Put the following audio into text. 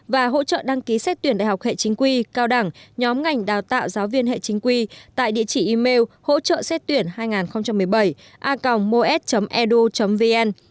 và hỗ trợ đăng ký xét tuyển đại học hệ chính quy cao đẳng nhóm ngành đào tạo giáo viên hệ chính quy tại địa chỉ email hỗ trợ xét tuyển hai nghìn một mươi bảy a gmos edu vn